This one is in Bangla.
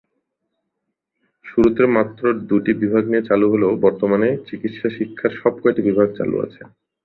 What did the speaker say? শুরুতে মাত্র দুটি বিভাগ নিয়ে চালু হলেও বর্তমানে চিকিৎসা শিক্ষার সবকয়টি বিভাগ চালু আছে।